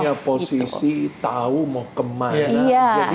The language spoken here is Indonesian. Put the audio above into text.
punya posisi tahu mau kemana